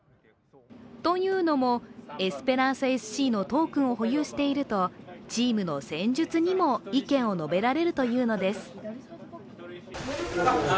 というのも、エスペランサＳＣのトークンを保有しているとチームの戦術にも意見を述べられるというのです。